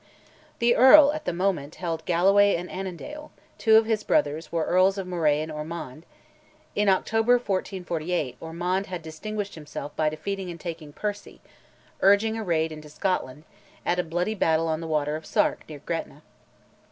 The Earl at the moment held Galloway and Annandale, two of his brothers were Earls of Moray and Ormond; in October 1448, Ormond had distinguished himself by defeating and taking Percy, urging a raid into Scotland, at a bloody battle on the Water of Sark, near Gretna.